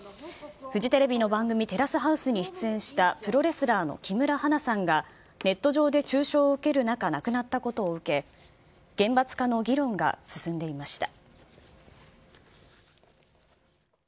フジテレビの番組、テラスハウスに出演したプロレスラーの木村花さんが、ネット上で中傷を受ける中、亡くなったことを受け、厳罰化の議論が進んでいました。